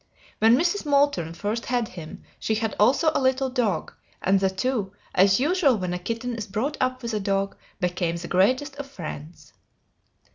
When Mrs. Moulton first had him, she had also a little dog, and the two, as usual when a kitten is brought up with a dog, became the greatest of friends.